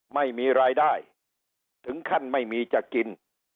ไม่มีรายได้ถึงขั้นไม่มีจะกิน